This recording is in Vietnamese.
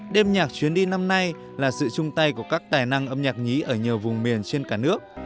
đêm nhạc chuyến đi năm nay là sự chung tay của các tài năng âm nhạc nhí ở nhiều vùng miền trên cả nước